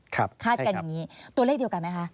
คาดกันอย่างนี้ตัวเลขเดียวกันไหมคะ